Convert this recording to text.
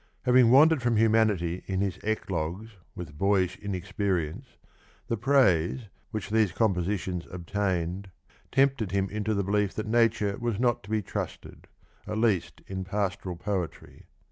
Having wandered from humanity in his Eclogues with boyish inexperience, the praise, which these compositions obtained, tempted him into the belief that Nature was not to be trusted, at least in pastoral Poetry.